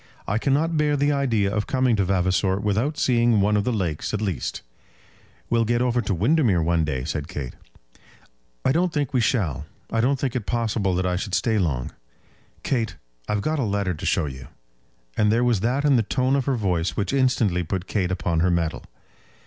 "I cannot bear the idea of coming to Vavasor without seeing one of the lakes at least." "We'll get over to Windermere one day," said Kate. "I don't think we shall. I don't think it possible that I should stay long. Kate, I've got a letter to show you." And there was that in the tone of her voice which instantly put Kate upon her mettle.